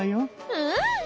うん！